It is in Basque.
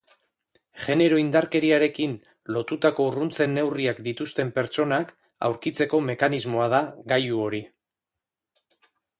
Genero indarkeriarekin lotutako urruntze neurriak dituzten pertsonak aurkitzeko mekanismoa da gailu hori.